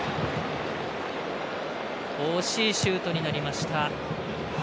惜しいシュートになりました。